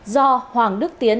do hoàng đức tiến